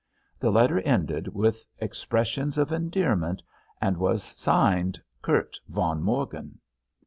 _" The letter ended with expressions of endearment, and was signed "Kurt von Morgen."